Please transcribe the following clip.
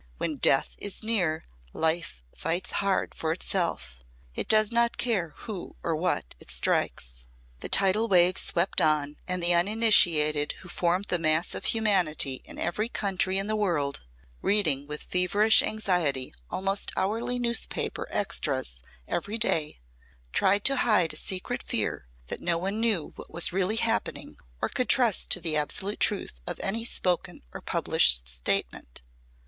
When Death is near, Life fights hard for itself. It does not care who or what it strikes." The tidal wave swept on and the uninitiated who formed the mass of humanity in every country in the world, reading with feverish anxiety almost hourly newspaper extras every day, tried to hide a secret fear that no one knew what was really happening or could trust to the absolute truth of any spoken or published statement.